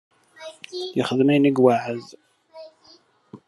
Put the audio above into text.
Yexdem ayen i iweεεed.